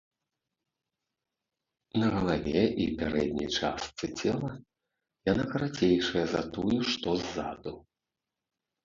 На галаве і пярэдняй частцы цела яна карацейшая за тую, што ззаду.